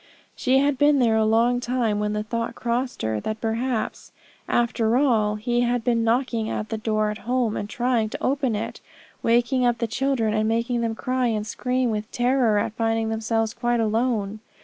She had been there a long time when the thought crossed her, that perhaps after all he had been knocking at the door at home, and trying to open it; waking up the children, and making them cry and scream with terror at finding themselves quite alone.